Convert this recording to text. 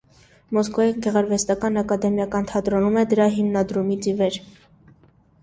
Մոսկվայի գեղարվեստական ակադեմիական թատրոնում է դրա հիմնադրումից ի վեր։